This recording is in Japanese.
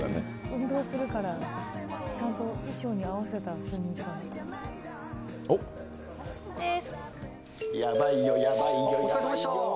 運動するから、ちゃんと衣装に合わせたスニーカー。